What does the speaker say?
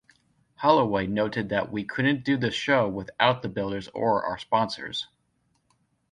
Holloway noted that we couldn't do the show without the builders or our sponsors.